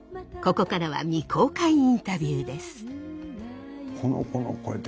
ここからは未公開インタビューです。